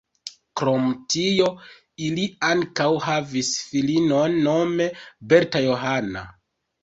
Krom tio ili ankaŭ havis filinon nome Berta Johanna.